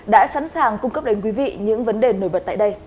đã sẵn sàng cung cấp đến quý vị những vấn đề nổi bật tại đây